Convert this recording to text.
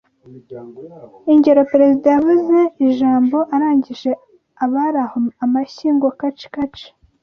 Ingero Perezida yavuze ijambo arangije abari aho amashyi ngo Kacikaci